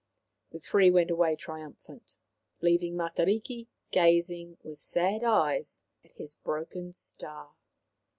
The three went away triumphant, leaving Matariki gazing with sad eyes at his broken star.